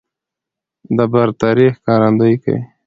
د برترۍ ښکارندويي کوي